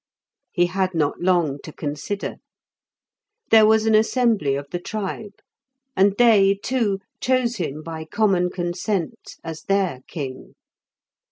He had not long to consider. There was an assembly of the tribe, and they, too, chose him by common consent as their king.